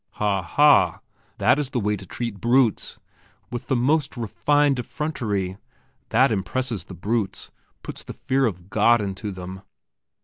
Ha, ha! That is the way to treat brutes! With the most refined effrontery! That impresses the brutes puts the fear of God into them....